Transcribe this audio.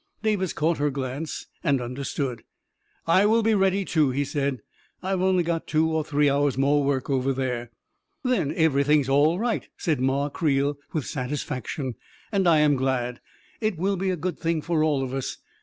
Davis caught her glance, and un derstood. " I will be ready, too, 99 he said. " I've only got two or three hours 9 more work over there. 99 "Then everything's all right, 99 said Ma Creel, with satisfaction. " And I am glad ! It will be a A KING IN BABYLON 353 good thing for all of us.